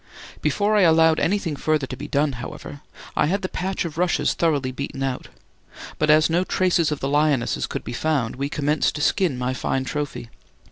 Before I allowed anything further to be done, however, I had the patch of rushes thoroughly beaten out: but as no traces of the lionesses could be found, we commenced to skin my fine trophy.